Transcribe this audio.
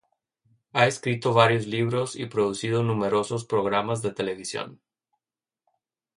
Ha escrito varios libros y producido numerosos programas de televisión.